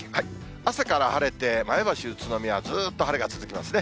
朝から晴れて、前橋、宇都宮、ずっと晴れが続きますね。